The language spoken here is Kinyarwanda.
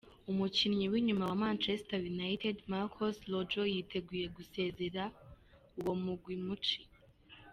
Umukinyi w'inyuma wa Manchester United, Marcos Rojo yiteguye gusezera uwo mugwi mu ci.